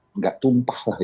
tidak tumpah lah